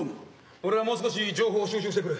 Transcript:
俺はもう少し情報を収集してくる。